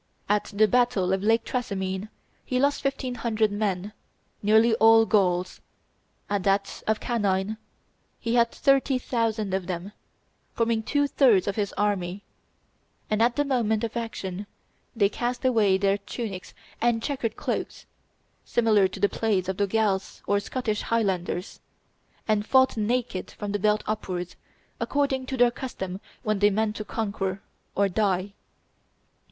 At the battle of Lake Trasimene he lost fifteen hundred men, nearly all Gauls; at that of Canine he had thirty thousand of them, forming two thirds of his army; and at the moment of action they cast away their tunics and checkered cloaks (similar to the plaids of the Gals or Scottish Highlanders), and fought naked from the belt upwards, according to their custom when they meant to conquer or die.